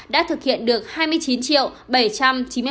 đã thực hiện được hai mươi chín bảy trăm chín mươi ba một trăm một mươi bốn mẫu